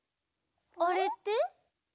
あれって？